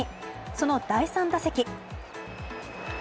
その第３打席。